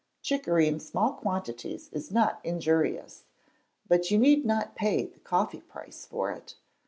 Chicory in small quantities is not injurious, but you need not pay the coffee price for it.